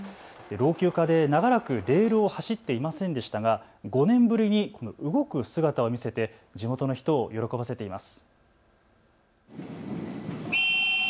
老朽化で長らくレールを走っていませんでしたが５年ぶりに動く姿を見せて地元の人を喜ばせています。